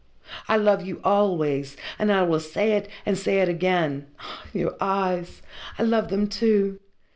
I love you always, and I will say it, and say it again ah, your eyes! I love them, too!